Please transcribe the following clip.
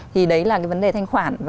thì đấy là cái vấn đề thanh khoản